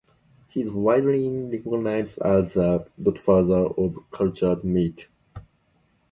He is widely recognized as the "godfather of cultured meat".